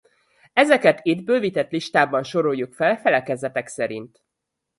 Ezeket itt bővített listában soroljuk fel felekezetek szerint.